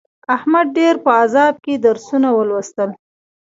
احمد ډېر په عذاب کې درسونه ولوستل.